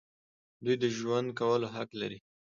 دوی د ژوند کولو حق لري.